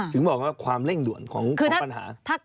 ถึงบอกว่าความเร่งด่วนของปัญหา